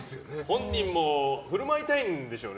本人も振る舞いたいんでしょうね。